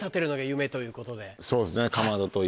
そうですね。